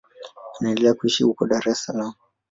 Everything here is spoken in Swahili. Anaendelea kuishi huko Dar es Salaam.